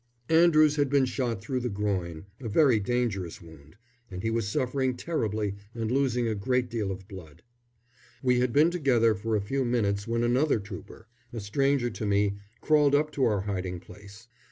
Andrews had been shot through the groin, a very dangerous wound, and he was suffering terribly and losing a great deal of blood. We had been together for a few minutes when another trooper a stranger to me crawled up to our hiding place.